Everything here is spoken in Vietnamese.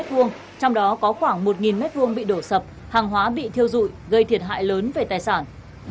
trong đó có khoảng một m hai bị đổ sập hàng hóa bị thiêu dụi gây thiệt hại lớn về tài sản